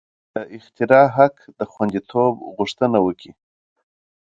د اختراع حق د خوندیتوب غوښتنه وکړي.